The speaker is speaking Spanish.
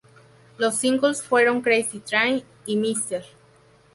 Los singles fueron "Crazy Train" y "Mr.